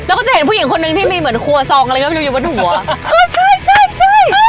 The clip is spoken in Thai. แล้วก็จะเห็นผู้หญิงคนนึงที่มีเหมือนครัวซองอะไรก็ไม่รู้อยู่บนหัวใช่ใช่